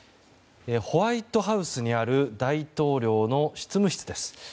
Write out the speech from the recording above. ホワイトハウスにある大統領の執務室です。